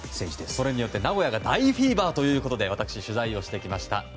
それによって名古屋が大フィーバーということで私、取材してきました。